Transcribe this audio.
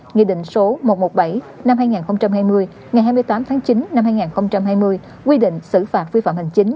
nghị định số một trăm một mươi bảy năm hai nghìn hai mươi ngày hai mươi tám tháng chín năm hai nghìn hai mươi quy định xử phạt vi phạm hành chính